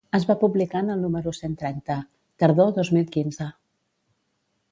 Es va publicar en el número cent trenta, tardor dos mil quinze.